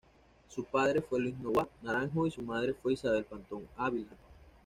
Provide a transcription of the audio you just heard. Su padre fue Luis Noboa Naranjo y su madre fue Isabel Pontón Ávila.